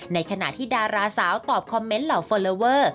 ในขณะที่ดาราสาวตอบคอมเมนต์เหล่าฟอลลอเวอร์